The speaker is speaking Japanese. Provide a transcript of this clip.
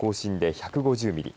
１５０ミリ